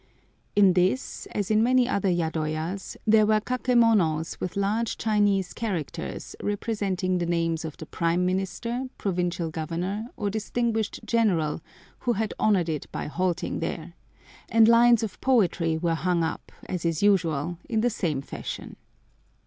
In this, as in many other yadoyas, there were kakémonos with large Chinese characters representing the names of the Prime Minister, Provincial Governor, or distinguished General, who had honoured it by halting there, and lines of poetry were hung up, as is usual, in the same fashion.